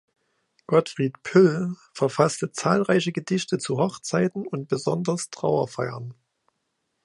Gottfried Pyl verfasste zahlreiche Gedichte zu Hochzeiten und besonders Trauerfeiern.